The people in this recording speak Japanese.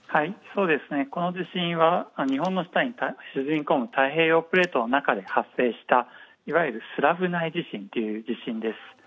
この地震は日本の下に沈み込む太平洋プレートで発生したいわゆるスラブ内地震という地震なです。